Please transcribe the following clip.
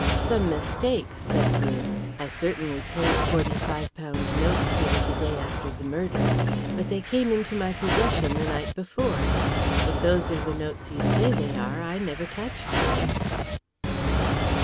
"Some mistake," said Bruce. "I certainly paid forty five pound notes here the day after the murder, but they came into my possession the night before. If those are the notes you say they are I never touched them."